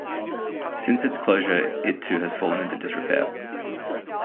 Since its closure it too has fallen into disrepair.